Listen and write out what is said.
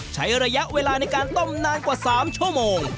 ใช้ระยะเวลาในการต้มนานกว่า๓ชั่วโมง